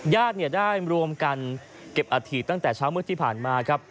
ญาติได้รวมกันเก็บอาถิตตั้งแต่เช้ามืดที่ผ่านมาครับ